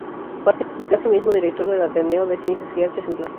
Fue asimismo director del "Ateneo de Ciencias y Artes" en Tlaxcala.